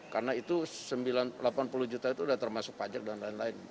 karena itu delapan puluh juta itu sudah termasuk pajak dan lain lain